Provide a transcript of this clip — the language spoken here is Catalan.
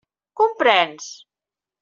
Comprens?